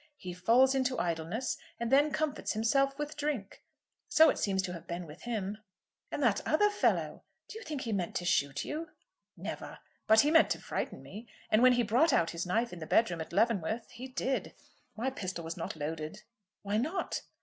He falls into idleness, and then comforts himself with drink. So it seems to have been with him." "And that other fellow; do you think he meant to shoot you?" "Never. But he meant to frighten me. And when he brought out his knife in the bedroom at Leavenworth he did. My pistol was not loaded." "Why not?"